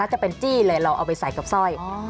จะเป็นจี้เลยเราเอาไปใส่กับสร้อย